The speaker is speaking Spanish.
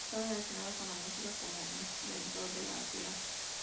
Estaba relacionado con la música como inventor de la lira.